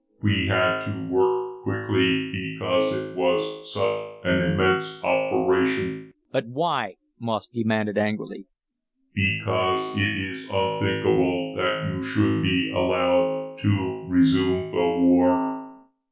We had to work quickly because it was such an immense operation." "But why?" Moss demanded angrily. "Because it is unthinkable that you should be allowed to resume the war.